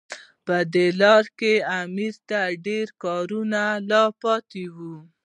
په دې لاره کې امیر ته ډېر کارونه لا پاتې وو.